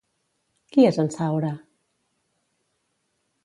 Qui és en Saura?